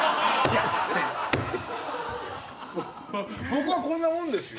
僕はこんなもんですよ。